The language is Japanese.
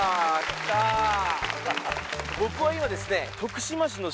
僕は今ですね